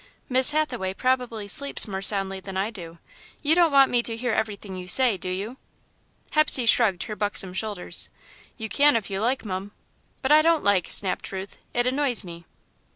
"Miss Hathaway probably sleeps more soundly than I do. You don't want me to hear everything you say, do you?" Hepsey shrugged her buxom shoulders. "You can if you like, mum." "But I don't like," snapped Ruth. "It annoys me."